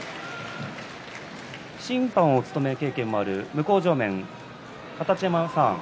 審判を務めた経験もある向正面、二十山さん